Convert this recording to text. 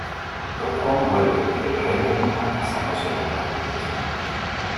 Don Juan vuelve y el rey termina casándose con una princesa.